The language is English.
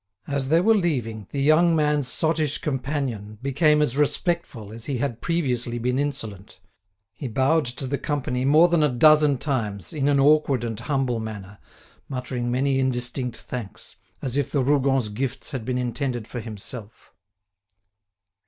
As they were leaving, the young man's sottish companion became as respectful as he had previously been insolent. He bowed to the company more than a dozen times, in an awkward and humble manner, muttering many indistinct thanks, as if the Rougons' gifts had been intended for himself.